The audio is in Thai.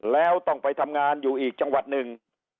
แล้วต้องไปทำงานอยู่อีกจังหวัดหนึ่ง